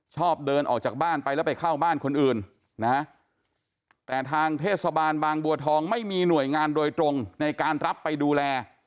ชอบเดินออกจากบ้านไปแล้วไปเข้าบ้านคนอื่นนะฮะแต่ทางเทศบาลบางบัวทองไม่มีหน่วยงานโดยตรงในการรับไปดูแล